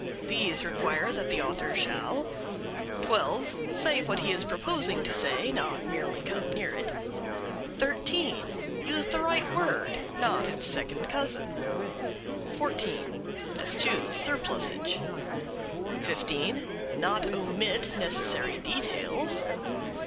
These require that the author shall: 12. Say what he is proposing to say, not merely come near it. 13. Use the right word, not its second cousin. 14. Eschew surplusage. 15. Not omit necessary details.